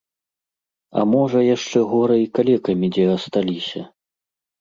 А можа, яшчэ горай, калекамі дзе асталіся!